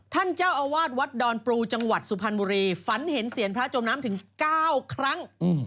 ท่านเจ้าอาวาสวัดดอนปลูจังหวัดสุพรรณบุรีฝันเห็นเสียงพระจมน้ำถึง๙ครั้ง